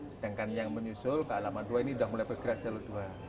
sedangkan yang menyusul ke alaman dua ini sudah mulai bergerak jalur dua